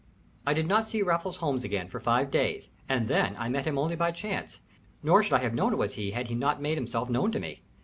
I did not see Raffles Holmes again for five days, and then I met him only by chance, nor should I have known it was he had he not made himself known to me.